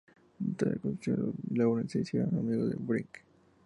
Durante la construcción, los Laurent se hicieron amigos de Wright.